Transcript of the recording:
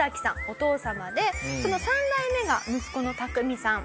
お父様でその３代目が息子のタクミさん。